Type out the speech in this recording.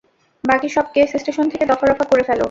বাকি সব case station থেকে দফা-রফা করে ফেলো।